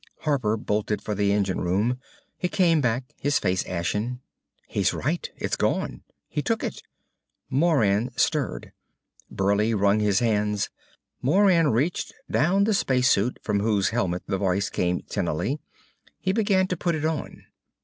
_" Harper bolted for the engine room. He came back, his face ashen. "He's right. It's gone. He took it." Moran stirred. Burleigh wrung his hands. Moran reached down the space suit from whose helmet the voice came tinnily. He began to put it on.